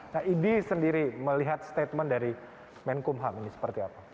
nah idi sendiri melihat statement dari menkumham ini seperti apa